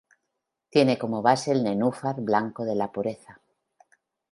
Tiene como base el nenúfar blanco de la pureza.